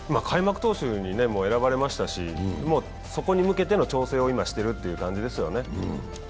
開幕投手に選ばれましたし、そこに向けての調整を今、してるって感じですよね。